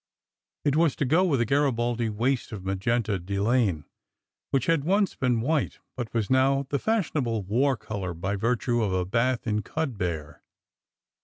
It was to go with a Garibaldi waist of magenta delaine which had once been white, but was now the fashionable war color by virtue of a bath in cudbear.